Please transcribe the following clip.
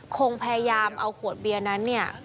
คงพยายามเอาขวดเบียร์นั้นเนี่ย